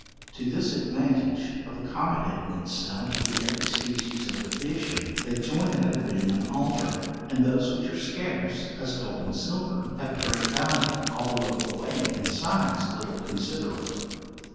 To this advantage of accommodating itself to every species of division, they join that of being unalterable, and those which are scarce, as gold and silver, have a great value, although of a weight and size little considerable.